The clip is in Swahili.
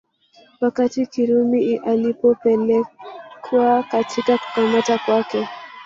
Wakati Kirumi alipopelekwa katika kukamata kwake